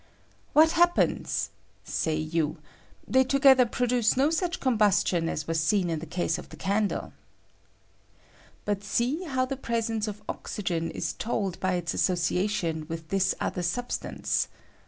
"What happens?" say you; "they together produce no such combustion as was seen in the case of the candle." But see how the presence of oxygen is told by its association with this 3 I i TESTS FOB OXYGEN. 12B I other subatance.